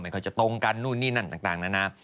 เขาจะตรงกันนู่นนี่นั่นต่างนานา